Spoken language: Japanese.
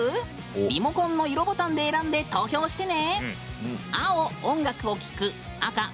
リモコンの色ボタンで選んで投票してね。